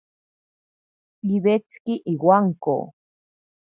Iwetsiki iwanko.